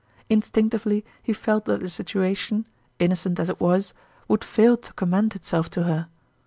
In stinctively he felt that the situation, innocent as it was, would fail to commend itself to her.